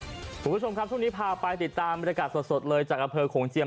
คุณผู้ชมครับช่วงนี้พาไปติดตามบรรยากาศสดเลยจากอำเภอโขงเจียม